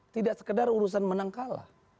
tidak sekedar urusan menang kalah